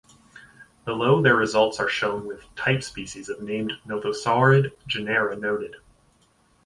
Below, their results are shown with type species of named nothosaurid genera noted.